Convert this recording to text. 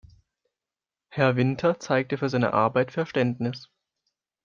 Herr Winter zeigte für seine Arbeit Verständnis.